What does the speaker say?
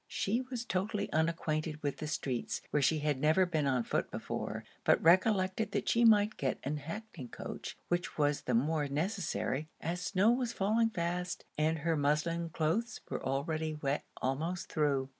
She was totally unacquainted with the streets, where she had never been on foot before; but recollected that she might get an hackney coach, which was the more necessary, as snow was falling fast, and her muslin cloaths were already wet almost through.